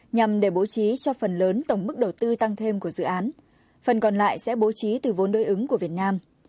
nhằm để bố trí cho phần lớn tổng mức đầu tư tăng thêm của dự án phần còn lại sẽ bố trí từ vốn đối ứng của việt nam